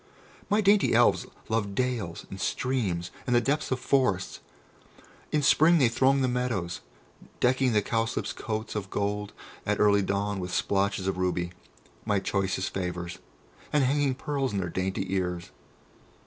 My dainty Elves love dales and streams, and the depths of forests; in spring they throng the meadows, decking the cowslips' coats of gold at early dawn with splotches of ruby, my choicest favours, and hanging pearls in their dainty ears.